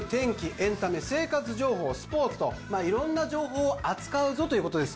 エンタメ生活情報スポーツといろんな情報を扱うぞということです